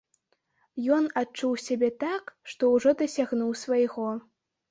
Ён адчуў сябе так, што ўжо дасягнуў свайго.